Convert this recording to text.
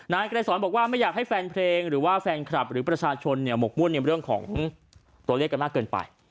นายไกรสอนบอกว่าไม่อยากให้แฟนเพลงหรือว่าแฟนคลับหรือประชาชนหมกมุ่นในเรื่องของตัวเลขกันมากเกินไป